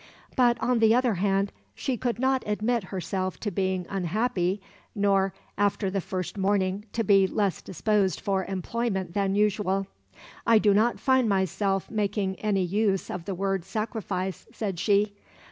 But, on the other hand, she could not admit herself to be unhappy, nor, after the first morning, to be less disposed for employment than usual.... 'I do not find myself making any use of the word sacrifice,' said she.